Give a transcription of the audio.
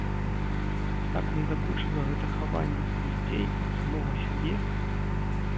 Так надакучыла гэта хаванне ад людзей, ад самога сябе!